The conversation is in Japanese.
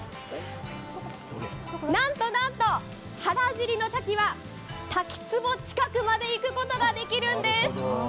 なんとなんと、原尻の滝は滝つぼ近くまで行くことができるんです。